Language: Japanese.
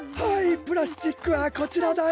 プラスチックはこちらだよ。